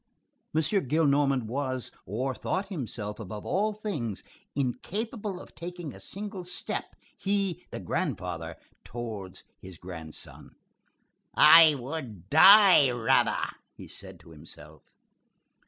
M. Gillenormand was, or thought himself, above all things, incapable of taking a single step, he—the grandfather, towards his grandson; "I would die rather," he said to himself.